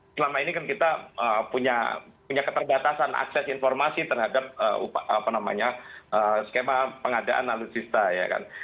selama ini kan kita punya keterbatasan akses informasi terhadap skema pengadaan alutsista ya kan